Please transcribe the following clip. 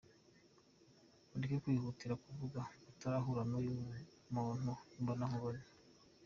Mureke kwihutira kuvuga mutarahura n’uyu muntu imbonankubone.